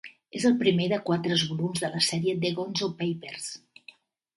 És el primer de quatres volums de la sèrie "The Gonzo Papers".